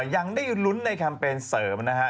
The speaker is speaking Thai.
ยังได้ลุ้นในแคมเปญเสริมนะฮะ